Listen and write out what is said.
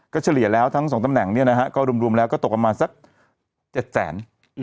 เฉลี่ยแล้วทั้งสองตำแหน่งเนี่ยนะฮะก็รวมแล้วก็ตกประมาณสัก๗แสน